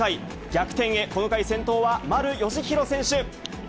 逆転へ、この回、先頭は丸佳浩選手。